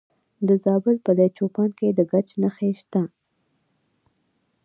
د زابل په دایچوپان کې د ګچ نښې شته.